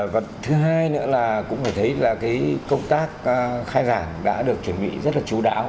và thứ hai nữa là cũng phải thấy là công tác khai giảng đã được chuẩn bị rất là chú đáo